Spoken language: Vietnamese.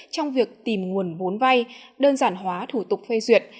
trong việc tìm nguồn bốn vai đơn giản hóa thủ tục phê duyệt